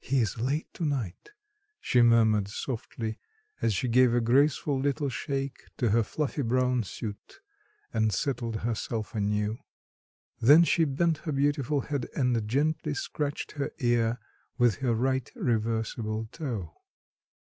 "He is late tonight," she murmured softly, as she gave a graceful little shake to her fluffy brown suit and settled herself anew. Then she bent her beautiful head and gently scratched her ear with her right reversible toe.